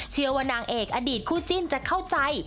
เชื่อว่านางเอกอดีตคู่จิ้นจะเข้าใจ